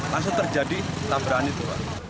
langsung terjadi tabrakan itu